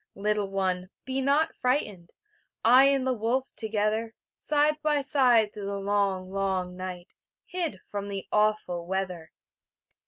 Little one, be not frightened; I and the wolf together, Side be side through the long, long night, Hid from the awful weather.